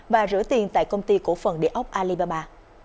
và rửa tiền tại công ty cổ phần địa ốc alibaba